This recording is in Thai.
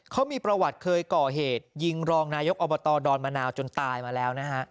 เขามีประวัติเคยก่อเหตุยิงรองนายกอบฏดอนมะนาวต้องตายแล้ว